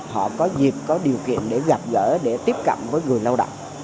họ có dịp có điều kiện để gặp gỡ để tiếp cận với người lao động